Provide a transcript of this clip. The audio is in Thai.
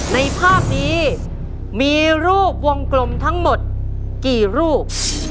ในภาพนี้มีรูปวงกลมทั้งหมดกี่รูป